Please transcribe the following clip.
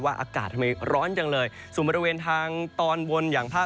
อากาศทำไมร้อนจังเลยส่วนบริเวณทางตอนบนอย่างภาค